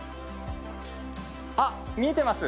あっ、見えてます？